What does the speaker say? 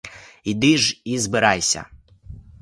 Іди ж і збирайся!